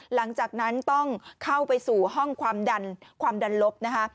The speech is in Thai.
หลังจากนั้นต้องเข้าไปสู่ห้องความดันความดันลบนะคะ